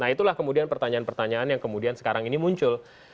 nah itulah kemudian pertanyaan pertanyaan yang kemudian sekarang ini muncul